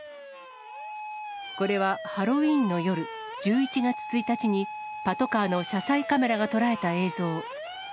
これはハロウィーンの夜、１１月１日に、パトカーの車載カメラが捉えた映像。